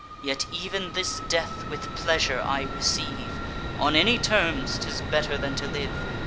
Yet ev'n this death with pleasure I receive: On any terms, 'tis better than to live.